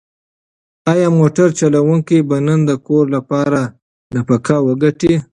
ایا موټر چلونکی به نن د کور لپاره نفقه وګټي؟